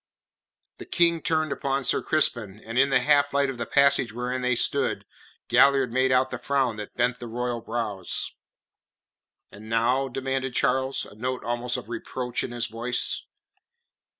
The King turned upon Sir Crispin, and in the half light of the passage wherein they stood Galliard made out the frown that bent the royal brows. "And now?" demanded Charles, a note almost of reproach in his voice.